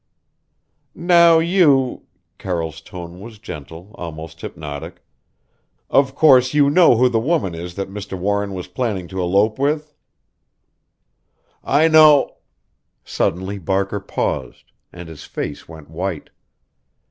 "Now you" Carroll's tone was gentle, almost hypnotic "of course you know who the woman is that Mr. Warren was planning to elope with?" "I know " Suddenly Barker paused, and his face went white.